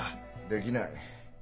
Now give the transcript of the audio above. できない。